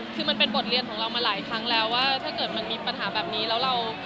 คือมันเป็นบทเรียนของเรามาหลายครั้งแล้วว่าถ้าเกิดมันมีปัญหาแบบนี้แล้วเรา